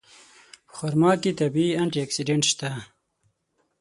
په خرما کې طبیعي انټي اکسېډنټ شته.